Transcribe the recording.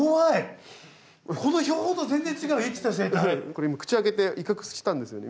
これ口開けて威嚇したんですよね。